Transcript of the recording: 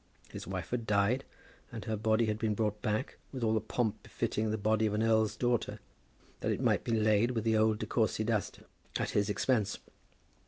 His wife had died and her body had been brought back, with all the pomp befitting the body of an earl's daughter, that it might be laid with the old De Courcy dust, at his expense.